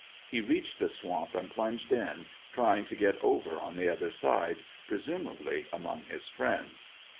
He reached the swamp and plunged in, trying to get over on the other side, presumably among his friends.